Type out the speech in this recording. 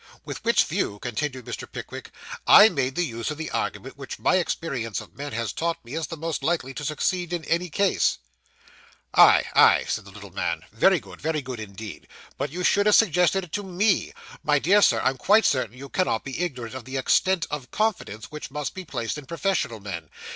'With which view,' continued Mr. Pickwick, 'I made use of the argument which my experience of men has taught me is the most likely to succeed in any case.' 'Ay, ay,' said the little man, 'very good, very good, indeed; but you should have suggested it to me. My dear sir, I'm quite certain you cannot be ignorant of the extent of confidence which must be placed in professional men.